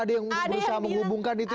ada yang berusaha menghubungkan itu